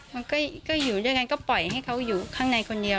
มันก็อยู่ด้วยกันก็ปล่อยให้เขาอยู่ข้างในคนเดียว